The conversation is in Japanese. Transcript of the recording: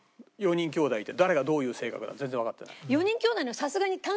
４人兄弟いて誰がどういう性格だ全然わかってない。